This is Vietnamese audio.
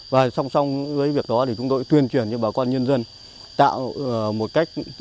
và song song với việc đó thì chúng tôi tuyên truyền cho bà con nhân dân tạo một cách